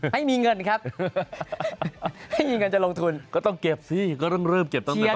ไม่มีเงินครับไม่มีเงินจะลงทุนก็ต้องเก็บสิก็ต้องรีบเก็บตรงนี้